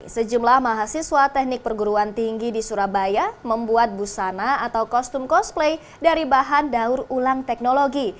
sejumlah mahasiswa teknik perguruan tinggi di surabaya membuat busana atau kostum cosplay dari bahan daur ulang teknologi